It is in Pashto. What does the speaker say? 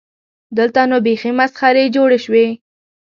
دلته نو بیخي مسخرې جوړې شوې.